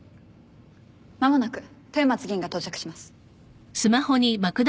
間もなく豊松議員が到着します。